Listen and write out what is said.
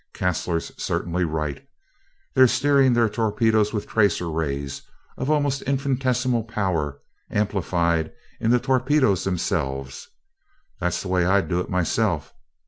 Caslor's certainly right. They're steering their torpedoes with tracer rays of almost infinitesimal power, amplified in the torpedoes themselves that's the way I'd do it myself.